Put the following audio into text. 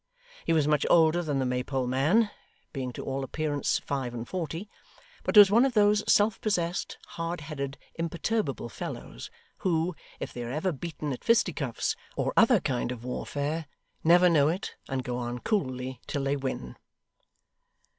He was much older than the Maypole man, being to all appearance five and forty; but was one of those self possessed, hard headed, imperturbable fellows, who, if they are ever beaten at fisticuffs, or other kind of warfare, never know it, and go on coolly till they win.